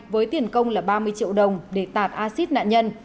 với tiền công là ba mươi triệu đồng để tạt acid nạn nhân